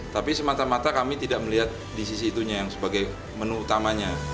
tapi semata mata kami tidak melihat di sisi itunya yang sebagai menu utamanya